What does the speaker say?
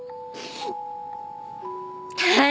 はい。